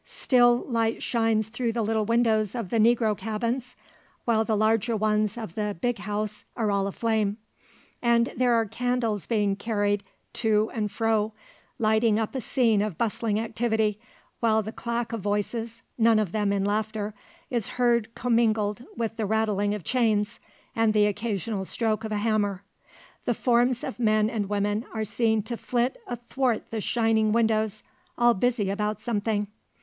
Still light shines through the little windows of the negro cabins, while the larger ones of the "big house" are all aflame. And there are candles being carried to and fro, lighting up a scene of bustling activity: while the clack of voices none of them in laughter is heard commingled with the rattling of chains, and the occasional stroke of a hammer. The forms of men and women, are seen to flit athwart the shining windows, all busy about something.